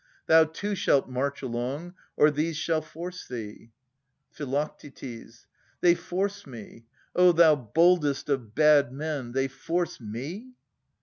Thou too shalt march along, or these shall force thee. Phi. They force me ! O thou boldest of bad men ! They force me